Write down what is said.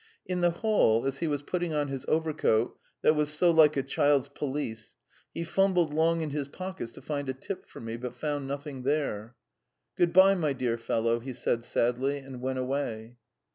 In the hall, as he was putting on his overcoat, that was so like a child's pelisse, he fumbled long in his pockets to find a tip for me, but found nothing there. "Good bye, my dear fellow," he said sadly, and went away.